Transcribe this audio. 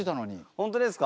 本当ですか？